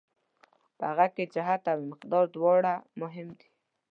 په هغه کې جهت او مقدار دواړه مهم دي.